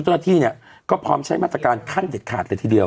เจ้าหน้าที่เนี่ยก็พร้อมใช้มาตรการขั้นเด็ดขาดเลยทีเดียว